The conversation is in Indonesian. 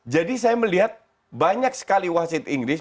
jadi saya melihat banyak sekali wasid inggris